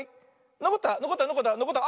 のこったのこったのこったのこった。